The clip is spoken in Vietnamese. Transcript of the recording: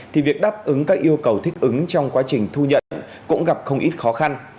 thì việc đáp ứng các yêu cầu thích ứng trong quá trình thu nhận cũng gặp không ít khó khăn